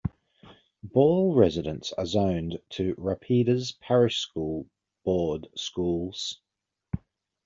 Ball residents are zoned to Rapides Parish School Board schools.